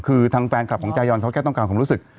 คือทางแฟนคลับของจายอนเขาแค่ต้องการความรู้สึก